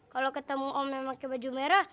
kalau ketemu om yang memakai baju merah